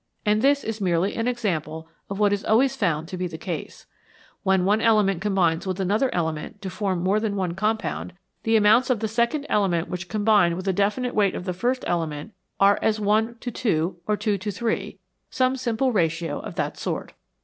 And this is merely an example of what is always found to be the case. When one element combines with another element to form more than one compound, the amounts of the second element 35 NATURE'S BUILDING MATERIAL which combine with a definite weight of the first element are as one to two, or two to three some simple ratio of that sort.